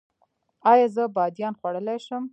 ایا زه بادیان خوړلی شم؟